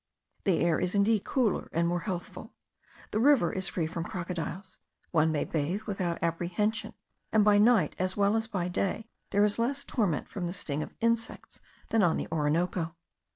The air is indeed cooler and more healthful. The river is free from crocodiles; one may bathe without apprehension, and by night as well as by day there is less torment from the sting of insects than on the Orinoco.